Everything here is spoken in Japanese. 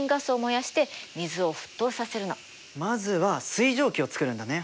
まずは水蒸気をつくるんだね。